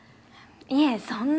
いえそんな。